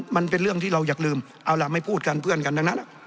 มันเป็นเรื่องที่เราอยากลืมเอาล่ะไม่พูดกันเพื่อนกันทั้งนั้น